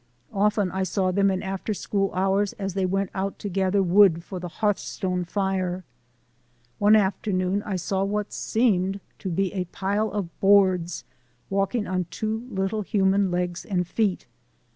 Often I saw them in after school hours as they went out to gather wood for the hearthstone fire. One afternoon I saw what seemed to be a pile of boards walking on two little human legs and feet.